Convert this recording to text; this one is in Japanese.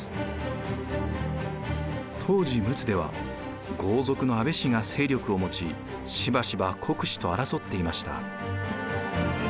当時陸奥では豪族の安倍氏が勢力を持ちしばしば国司と争っていました。